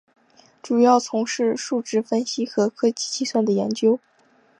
主要从事数值分析和科学计算的研究。